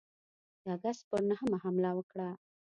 د آګسټ پر نهمه حمله وکړه.